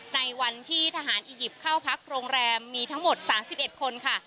ในวันที่ทหารอียิปต์เข้าพักโรงแรมมีทั้งหมด๓๑คนค่ะ